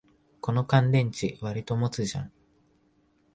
この乾電池、わりと持つじゃん